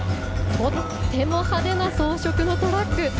とっても派手な装飾のトラック